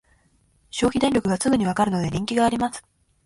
消費電力がすぐにわかるので人気があります